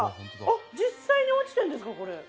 実際に落ちてるんですか、これ。